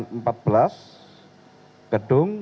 gedung atau kusuma